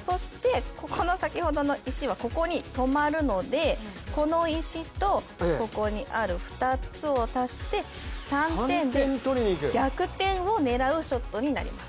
そしてここの先ほどの石はここに止まるのでこの石とここにある２つを足して３点で逆転を狙うショットになります。